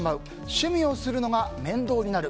趣味をするのが面倒になる。